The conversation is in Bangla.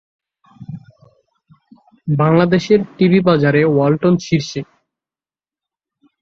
বাংলাদেশের টিভি বাজারে ওয়ালটন শীর্ষে।